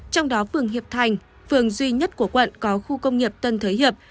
trong đó phường hiệp thành phường duy nhất của quận có khu công nghiệp tân thới hiệp